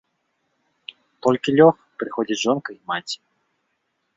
Толькі лёг, прыходзяць жонка і маці.